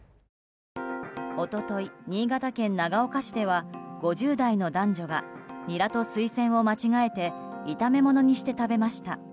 一昨日、新潟県長岡市では５０代の男女がニラとスイセンを間違えて炒め物にして食べました。